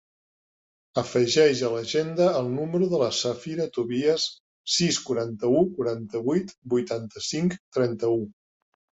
Afegeix a l'agenda el número de la Safae Tobias: sis, quaranta-u, quaranta-vuit, vuitanta-cinc, trenta-u.